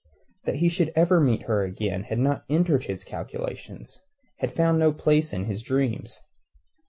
That he should ever meet her again had not entered his calculations, had found no place in his dreams.